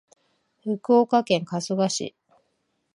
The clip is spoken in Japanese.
福岡県春日市